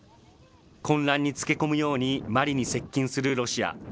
混乱につけ込むようにマリに接近するロシア。